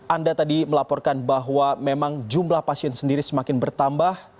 anda tadi melaporkan bahwa memang jumlah pasien sendiri semakin bertambah